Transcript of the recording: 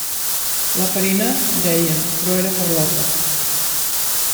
La farina, deien, però era farlopa.